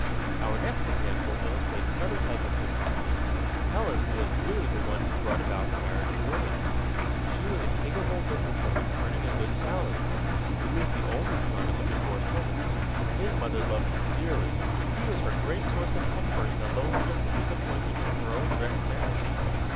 Our next example illustrates another type of disharmony. Helen was really the one who brought about her marriage to William. She was a capable businesswoman, earning a good salary. He was the only son of a divorced woman. His mother loved him dearly; he was her great source of comfort in the loneliness and disappointment of her own wrecked marriage.